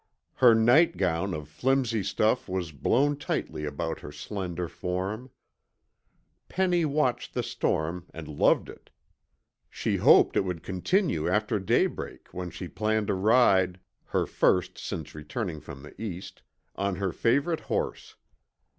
Her nightgown of flimsy stuff was blown tightly about her slender form. Penny watched the storm and loved it. She hoped it would continue after daybreak, when she planned a ride her first since returning from the East on her favorite horse.